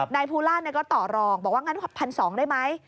ภูล่าก็ต่อรองบอกว่างั้น๑๒๐๐ได้ไหม